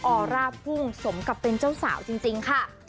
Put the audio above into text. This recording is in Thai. ออร่าพุ่งสมกับเป็นเจ้าสาวจริงค่ะ